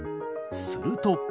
すると。